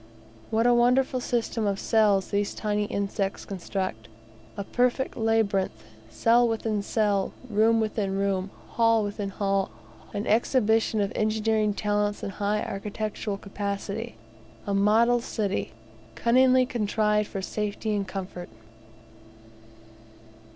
What a wonderful system of cells these tiny insects construct! A perfect labyrinth cell within cell, room within room, hall within hall an exhibition of engineering talents and high architectural capacity a model city, cunningly contrived for safety and comfort!